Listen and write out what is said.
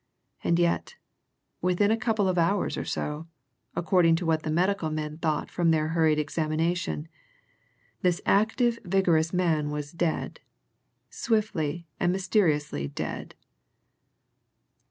And yet, within a couple of hours or so according to what the medical men thought from their hurried examination this active vigorous man was dead swiftly and mysteriously dead.